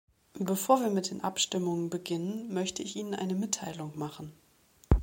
Bevor wir mit den Abstimmungen beginnen, möchte ich Ihnen eine Mitteilung machen.